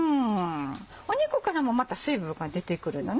肉からもまた水分が出てくるのね。